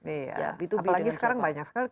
apalagi sekarang banyak sekali